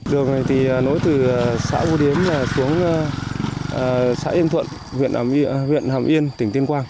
đường này thì nối từ xã vô điếm xuống xã yên thuận huyện hàm yên tỉnh tuyên quang